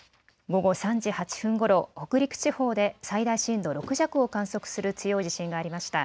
午後３時８分ごろ、北陸地方で最大震度６弱を観測する強い地震がありました。